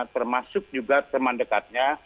termasuk juga teman dekatnya